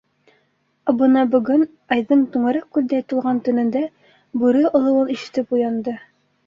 Ә бына богөн, айҙың түңәрәк күлдәй тулған төнөндә, бүре олоуын ишетеп уянды.